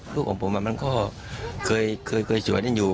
ลูกของผมมันก็เคยสวยกันอยู่